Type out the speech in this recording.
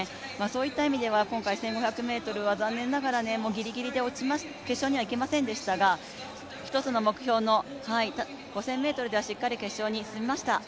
そういった意味では今回、１５００ｍは残念ながら、ぎりぎりで決勝にはいけませんでしたが一つの目標の５０００ｍではしっかり決勝に進めました。